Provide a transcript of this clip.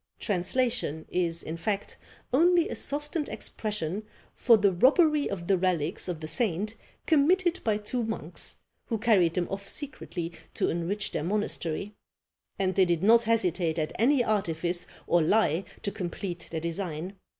Translation is, in fact, only a softened expression for the robbery of the relics of the saint committed by two monks, who carried them off secretly to enrich their monastery; and they did not hesitate at any artifice or lie to complete their design.